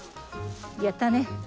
やったね！